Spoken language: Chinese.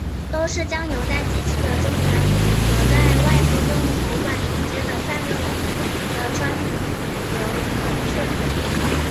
都是将油在机器的中盘里和在外部用喉管连接的散热网不停地穿流冷却。